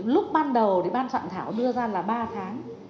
lúc ban đầu thì ban soạn thảo đưa ra là ba tháng